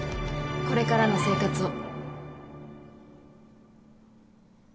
これからの生活を。